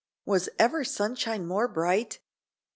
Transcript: Was ever sunshine more bright?